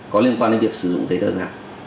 có liên quan đến việc sử dụng giấy tờ giả